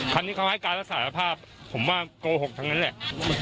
คันนี้เขาให้การรับสารภาพผมว่าโกหกทั้งนั้นแหละ